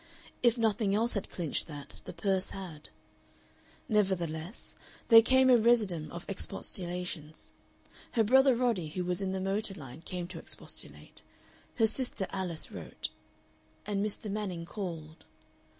If nothing else had clinched that, the purse had. Nevertheless there came a residuum of expostulations. Her brother Roddy, who was in the motor line, came to expostulate; her sister Alice wrote. And Mr. Manning called.